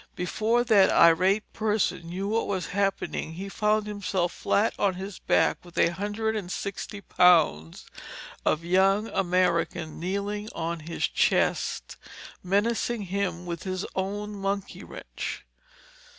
Before that irate person knew what was happening he found himself flat on his back with a hundred and sixty pounds of young American kneeling on his chest, menacing him with his own monkey wrench.